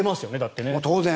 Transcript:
当然。